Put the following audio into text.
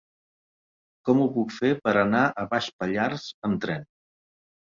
Com ho puc fer per anar a Baix Pallars amb tren?